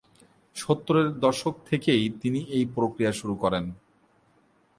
সত্তরের দশক থেকেই তিনি এই প্রক্রিয়া শুরু করেন।